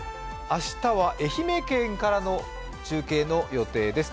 明日は愛媛県からの中継の予定です。